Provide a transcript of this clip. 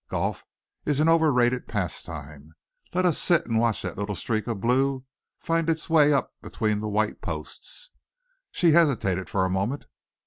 Golf is an overrated pastime. Let us sit and watch that little streak of blue find its way up between the white posts." She hesitated for a moment.